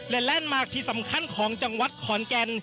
และแลนด์มาร์คที่สำคัญของจังหวัดขอนแก่น